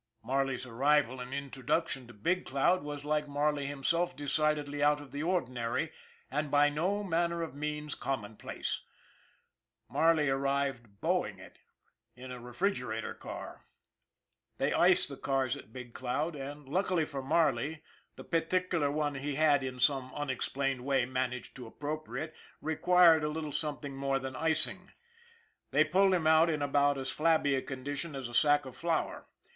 Marley's arrival and introduction to Big Cloud was, like Marley himself, decidedly out of the ordinary and by no manner of means commonplace. Marley arrived " 'boing it " in a refrigerator car. They ice the cars at Big Cloud and, luckily for Marley, the particular one he had, in some unexplained way, managed to appropriate required a little some thing more than icing. They pulled him out in about as flabby a condition as a sack of flour.